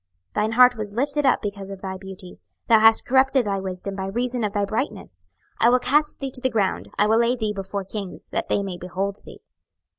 26:028:017 Thine heart was lifted up because of thy beauty, thou hast corrupted thy wisdom by reason of thy brightness: I will cast thee to the ground, I will lay thee before kings, that they may behold thee.